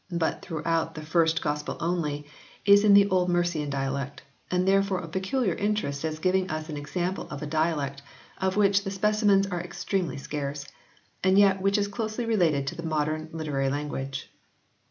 but throughout the first Gospel only, is in the Old Mercian dialect, and there fore of peculiar interest as giving us an example of a dialect, of which the specimens are extremely scarce, and yet which is closely related to the modern literary language.